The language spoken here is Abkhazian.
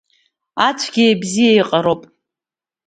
Ацәгьеи абзиеи еиҟароуп.